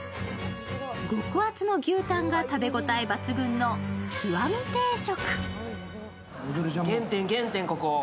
極厚の牛たんが食べ応え抜群の極定食。